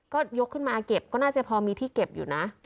ก็ยกขึ้นมาเก็บก็น่าจะพอมีที่เก็บอยู่นะ